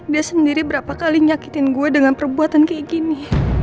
dia sendiri berapa kali nyakitin gue dengan perbuatan kayak gini